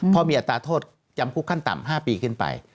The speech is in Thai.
พอมีอัตราโทษจำคุกขั้นต่ำ๕ปีขึ้นไป